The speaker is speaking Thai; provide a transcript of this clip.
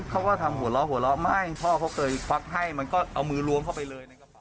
เขาก็ทำหัวเราะไม่พ่อเคยควักให้มันก็เอามือลวมเข้าไปเลย